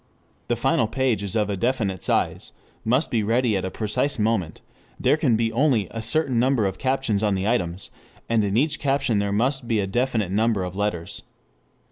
The final page is of a definite size, must be ready at a precise moment; there can be only a certain number of captions on the items, and in each caption there must be a definite number of letters.